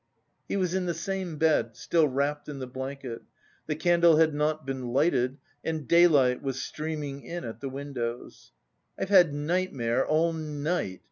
He was in the same bed, still wrapped in the blanket. The candle had not been lighted, and daylight was streaming in at the windows. "I've had nightmare all night!"